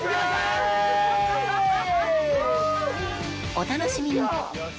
お楽しみに！